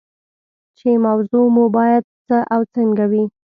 چې موضوع مو باید څه او څنګه وي.